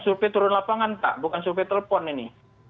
survei turun lapangan pak bukan survei telepon ini